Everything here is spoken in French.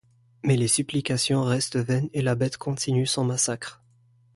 Mais les supplications restent vaines et la Bête continue son massacre.